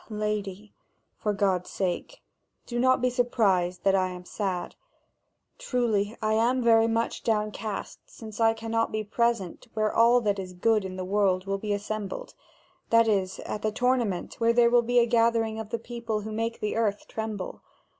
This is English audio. "Ah, lady, for God's sake, do not be surprised that I am sad! Truly, I am very much downcast, since I cannot be present where all that is good in the world will be assembled: that is, at the tournament where there will be a gathering of the people who make the earth tremble.